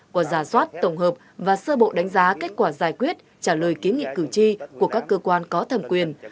qua giả soát tổng hợp và sơ bộ đánh giá kết quả giải quyết trả lời kiến nghị cử tri của các cơ quan có thẩm quyền